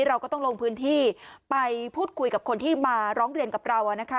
เราก็ต้องลงพื้นที่ไปพูดคุยกับคนที่มาร้องเรียนกับเรานะคะ